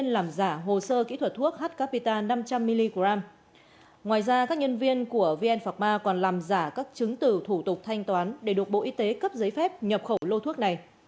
ngoài ra các nhân viên của vn phạc ma còn làm giả các chứng từ thủ tục thanh toán để được bộ y tế cấp giấy phép nhập khẩu lô thuốc này